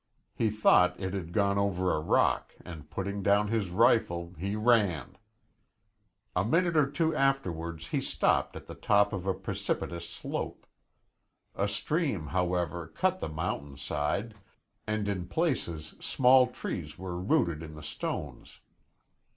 He thought it had gone over a rock and putting down his rifle he ran. A minute or two afterwards he stopped at the top of a precipitous slope. A stream, however, cut the mountain side, and in places small trees were rooted in the stones.